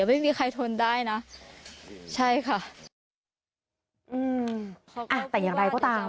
ไม่มีใครทนได้นะใช่ค่ะอืมอ่ะแต่อย่างไรก็ตาม